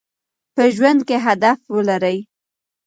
په ژوند کې هدف ولرئ.